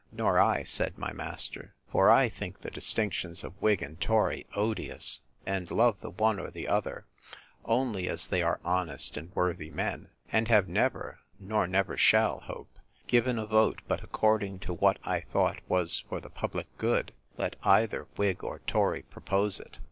Nor I, said my master; for I think the distinctions of whig and tory odious; and love the one or the other only as they are honest and worthy men; and have never (nor never shall, hope) given a vote, but according to what I thought was for the public good, let either whig or tory propose it.